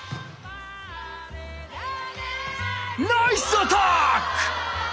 ナイスアタック！